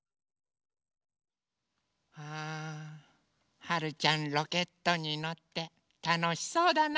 ああはるちゃんロケットにのってたのしそうだな。